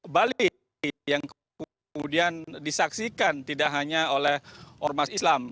balik yang kemudian disaksikan tidak hanya oleh ormas islam